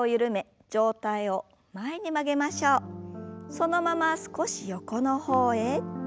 そのまま少し横の方へ。